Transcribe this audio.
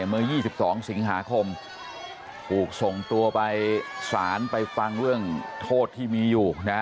เมื่อ๒๒สิงหาคมถูกส่งตัวไปศาลไปฟังเรื่องโทษที่มีอยู่นะ